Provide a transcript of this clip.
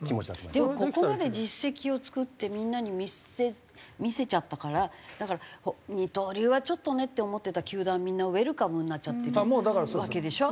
でもここまで実績を作ってみんなに見せちゃったからだから二刀流はちょっとねって思ってた球団みんなウェルカムになっちゃってるわけでしょ。